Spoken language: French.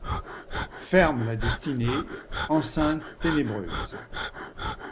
Ferme la destinée, enceinte ténébreuse ;